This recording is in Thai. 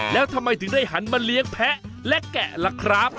แล้วทำไมถึงได้หันมาเลี้ยงแพ้และแกะล่ะครับ